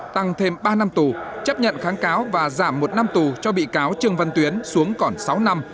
tăng thêm ba năm tù chấp nhận kháng cáo và giảm một năm tù cho bị cáo trương văn tuyến xuống còn sáu năm